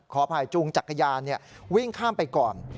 ขออภัยจูงจักรยานวิ่งข้ามไปก่อน